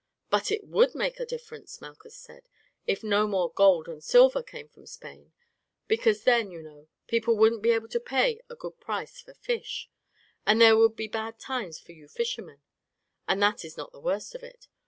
"But it would make a difference," Malchus said, "if no more gold and silver came from Spain, because then, you know, people wouldn't be able to pay a good price for fish, and there would be bad times for you fishermen. But that is not the worst of it.